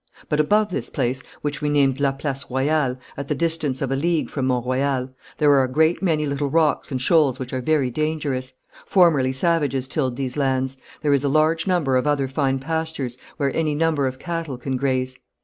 But above this place, which we named La Place Royale, at the distance of a league from Mont Royal, there are a great many little rocks and shoals which are very dangerous.... Formerly savages tilled these lands.... There is a large number of other fine pastures, where any number of cattle can graze....